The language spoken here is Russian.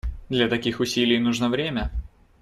Для таких усилий нужно время.